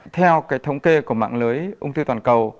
theo thống kê của mạng lưới ông thư toàn cầu